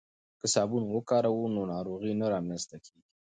که صابون وکاروو نو ناروغۍ نه رامنځته کیږي.